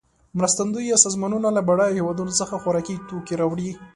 مرستندویه سازمانونه له بډایه هېوادونو څخه خوارکي توکې راوړي.